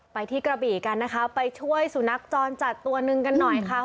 ไปที่กระบี่กันนะคะไปช่วยสุนัขจรจัดตัวหนึ่งกันหน่อยค่ะ